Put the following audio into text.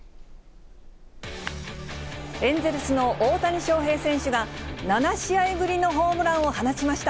エンゼルスの大谷翔平選手が、７試合ぶりのホームランを放ちました。